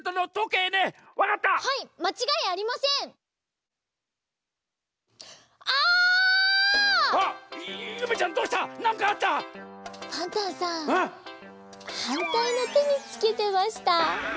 はんたいのてにつけてました。